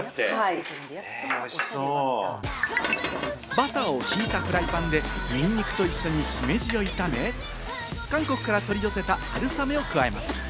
バターをひいたフライパンでニンニクと一緒にしめじを炒め、韓国から取り寄せた春雨を加えます。